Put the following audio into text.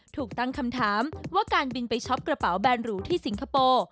ถูกตั้งคำถามว่าการบินไปช็อปกระเป๋าแบนหรูที่สิงคโปร์